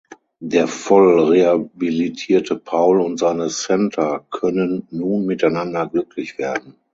Der voll rehabilitierte Paul und seine Senta können nun miteinander glücklich werden.